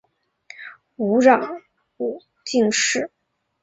吴襄武进士。